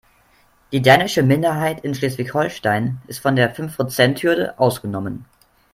Die dänische Minderheit in Schleswig-Holstein ist von der Fünfprozenthürde ausgenommen.